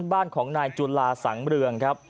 บ้านของนายจุลาสังเรืองครับ